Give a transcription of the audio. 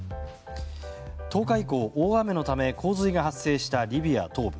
１０日以降、大雨のため洪水が発生したリビア東部。